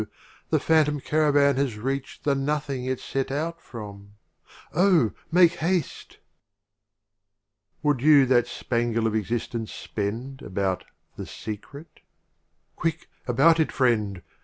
— the phantom Cara van has reach'd The Nothing it set out from — Oh, make haste ! ZLIX. Would you that spangle of Exist ence spend About the secret — quick about it, Friend!